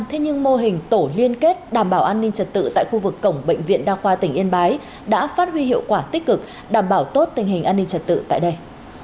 thế nhưng mô hình tổ liên kết đảm bảo an ninh trật tự tại khu vực cổng bệnh viện đa khoa tỉnh yên bái đã phát huy hiệu quả tích cực đảm bảo tốt tình hình an ninh trật tự tại đây